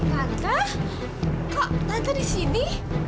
lantah kok tante di sini